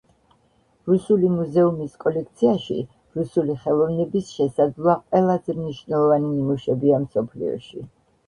რუსული მუზეუმის კოლექციაში რუსული ხელოვნების შესაძლოა ყველაზე მნიშვნელოვანი ნიმუშებია მსოფლიოში.